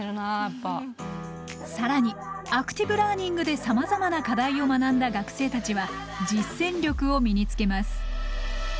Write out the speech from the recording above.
更にアクティブラーニングでさまざまな課題を学んだ学生たちは実践力を身につけます。